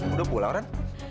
udah pulang ren